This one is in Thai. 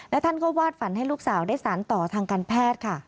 และท่านก็วาดฝันให้ลูกสาวได้สารต่อทางการแพทย์ค่ะ